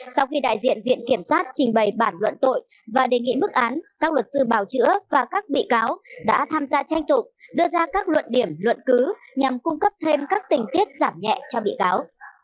sau khi đại diện viện kiểm sát trình bày bản luận tội và đề nghị bức án các luật sư bào chữa và các bị cáo đã tham gia tranh tụng đưa ra các luận điểm luận cứ nhằm cung cấp thêm các tình tiết giảm nhẹ cho bị cáo